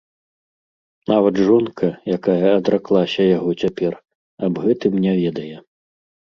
Нават жонка, якая адраклася яго цяпер, аб гэтым не ведае.